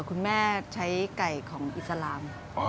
คุณแม่ใช้ไก่ของอิสลาม